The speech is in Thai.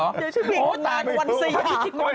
ไม่ใช่พิธีกรวันสยาม